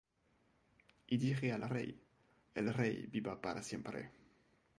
Y dije al rey: El rey viva para siempre.